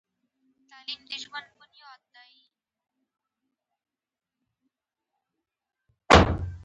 زما خور د یوې تعلیمي مؤسسې بنسټګره ده او ښه خدمتونه یې کړي دي